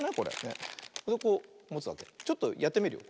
ちょっとやってみるよ。